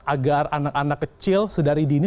agar anak anak kecil sedari dini